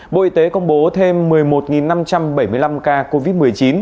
bộ y tế công bố thêm một mươi một năm trăm bảy mươi năm ca covid một mươi chín